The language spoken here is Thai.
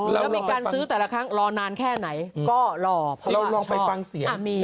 แล้วมีการซื้อแต่ละครั้งรอนานแค่ไหนก็รอพอเราลองไปฟังเสียง